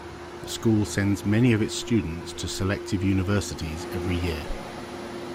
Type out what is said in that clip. The school sends many of its students to selective universities every year.